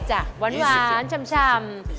๒๒จ้ะหวานฉ่ำจ้ะ